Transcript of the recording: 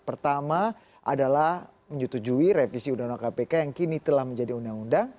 pertama adalah menyetujui revisi undang undang kpk yang kini telah menjadi undang undang